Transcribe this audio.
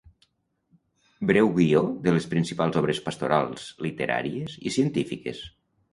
Breu guió de les principals obres pastorals, literàries i científiques.